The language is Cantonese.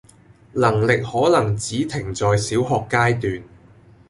能力可能只停在小學階段